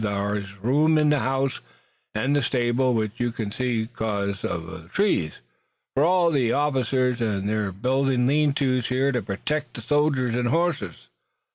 Thar's room in the house, an' the stable, which you can't see 'cause uv the trees, fur all the officers, an' they're buildin' lean tos here to protect the soldiers an' the hosses.